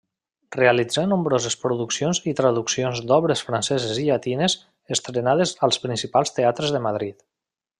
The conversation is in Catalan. Realitzà nombroses produccions i traduccions d'obres franceses i llatines, estrenades als principals teatres de Madrid.